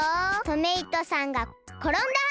トメイトさんがころんだ！